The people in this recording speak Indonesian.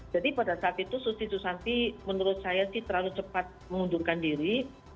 jadi pada saat itu susi susanti menurut saya sih terlalu cepat mengundurkan diri